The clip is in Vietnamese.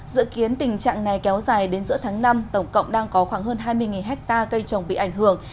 dự kiến tình trạng này kéo dài đến giữa tháng năm tổng cộng đang có khoảng hơn hai mươi hectare cây trồng bị ảnh hưởng